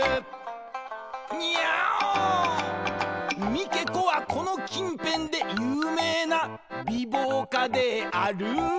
「三毛子はこの近辺で有名な美貌家である」